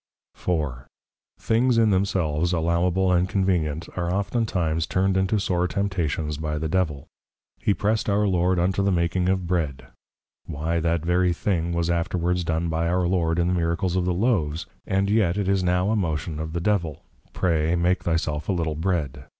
_ IV. Things in themselves Allowable and Convenient, are oftentimes turned into sore Temptations by the Devil. He press'd our Lord unto the making of Bread; Why, that very thing was afterwards done by our Lord, in the Miracles of the Loaves; and yet it is now a motion of the Devil, _Pray, make thy self a Little Bread.